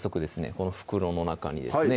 この袋の中にですね